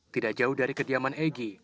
tidak jauh dari kediaman egy